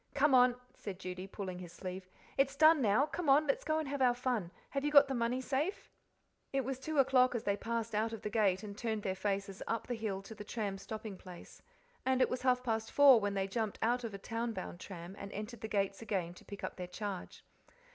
"Come on," said Judy, pulling his sleeve; "it's done now, come on, let's go and have our fun; have you got the money safe?" It was two o'clock as they passed out of the gate and turned their faces up, the hill to the tram stopping place. And it was half past four when they jumped out of a town bound tram and entered the gates again to pick up their charge.